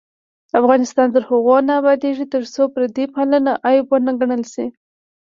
افغانستان تر هغو نه ابادیږي، ترڅو پردی پالنه عیب ونه ګڼل شي.